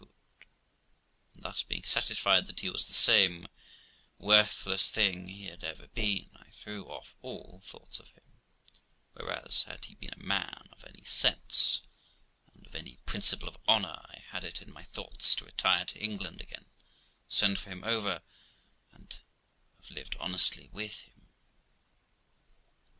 And thus being satisfied that he was the same worthless thing he had ever been, I threw off all thoughts of him; whereas, had he been a man of any sense and of any principle of honour, I had it in my thoughts to retire to England again, send for him over, and have lived honestly with him.